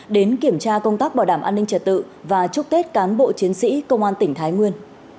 đến kiểm tra công tác bảo đảm an ninh trật tự và chúc tết cán bộ chiến sĩ công an tỉnh thái nguyên